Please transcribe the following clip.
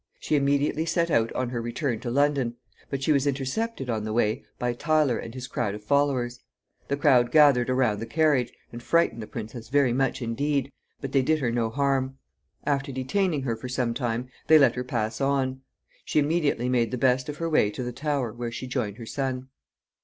She immediately set out on her return to London, but she was intercepted on the way by Tyler and his crowd of followers. The crowd gathered around the carriage, and frightened the princess very much indeed, but they did her no harm. After detaining her for some time, they let her pass on. She immediately made the best of her way to the Tower, where she joined her son.